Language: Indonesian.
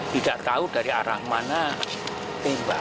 tidak tahu dari arah mana tembak